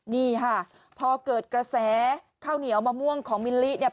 นี่ค่ะพอเกิดกระแสข้าวเหนียวมะม่วงของมิลลิเนี่ย